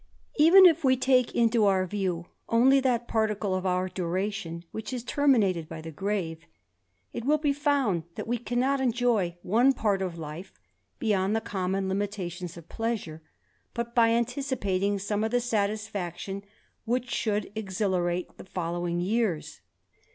Even if we take into our view only that particle of our duration which is terminated by the grave, it will be found that we cannot enjoy one part of life beyond the common limitations of pleasure, but by anticipating some of the satisfaction which should exhilarate the following years.